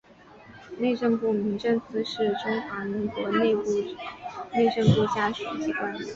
内政部民政司是中华民国内政部下属机关。